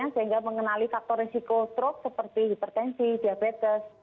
sehingga mengenali faktor risiko stroke seperti hipertensi diabetes